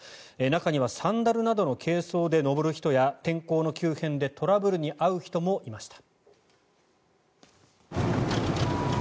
中にはサンダルなどの軽装で登る人や天候の急変でトラブルに遭う人もいました。